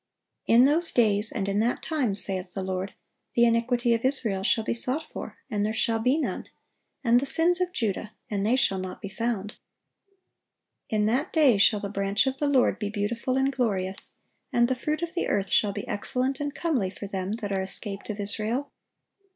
"In those days, and in that time, saith the Lord, the iniquity of Israel shall be sought for, and there shall be none; and the sins of Judah, and they shall not be found."(864) "In that day shall the branch of the Lord be beautiful and glorious, and the fruit of the earth shall be excellent and comely for them that are escaped of Israel.